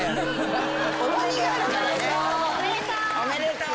おめでとう。